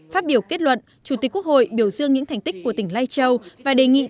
phát biểu kết luận chủ tịch quốc hội biểu dương những thành tích của tỉnh lai châu và đề nghị tỉnh lai châu